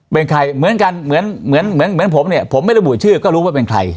เป็นใครเหมือนกันเหมือนเหมือนผมเนี่ยผมไม่ระบุชื่อก็รู้ว่าเป็นใคร